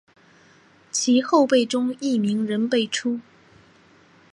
其后辈中亦名人辈出。